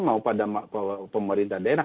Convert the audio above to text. mau pada pemerintah daerah